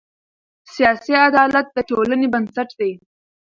سیاسي عدالت د ټولنې بنسټ دی